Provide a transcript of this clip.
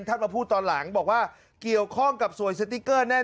มาพูดตอนหลังบอกว่าเกี่ยวข้องกับสวยสติ๊กเกอร์แน่